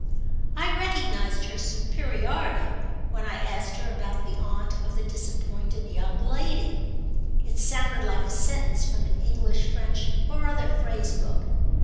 I recognised her superiority when I asked her about the aunt of the disappointed young lady: it sounded like a sentence from an English French or other phrase book.